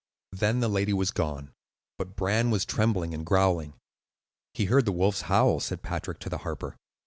Then the lady was gone; but Bran was trembling and growling. "He heard the wolves howl," said Patrick to the harper.